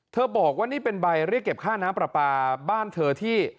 บอกว่านี่เป็นใบเรียกเก็บค่าน้ำปลาปลาบ้านเธอที่